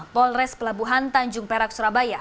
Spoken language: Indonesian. polres pelabuhan tanjung perak surabaya